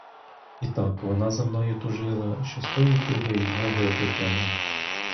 І так вона за мною тужила, що з тої туги й ноги витягла.